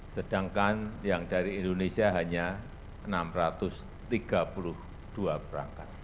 sedangkan yang dari indonesia hanya enam ratus tiga puluh dua perangkat